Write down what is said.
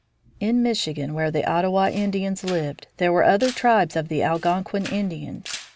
In Michigan, where the Ottawa Indians lived, there were other tribes of the Algonquin Indians.